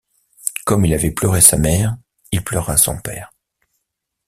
Comme il avait pleuré sa mère, il pleura son père.